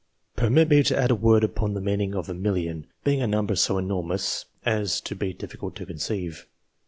Permit me to add a word upon the meaning of a million, being a number so enormous as to be difficult to conceive.